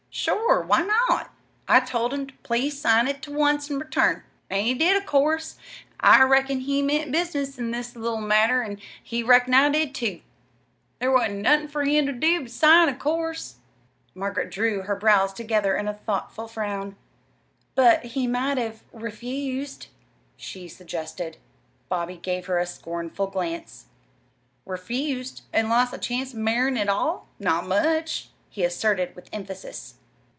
"Sure! Why not? I told him ter please sign to once an' return. An' he did, 'course. I reckoned he meant business in this little matter, an' he reckoned I did, too. There wa'n't nothin' for him ter do but sign, 'course." Margaret drew her brows together in a thoughtful frown. "But he might have refused," she suggested. Bobby gave her a scornful glance. "Refused an' lost the chance of marryin' at all? Not much!" he asserted with emphasis.